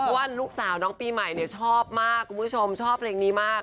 ว่าลูกสาวน้องปีใหม่เนี่ยชอบมากคุณผู้ชมชอบเพลงนี้มาก